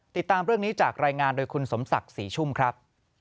ติดตามเรื่องนี้จากรายงานโดยคุณสมศักดิ์ศรีชุ่มครับ